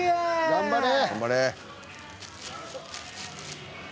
頑張れ。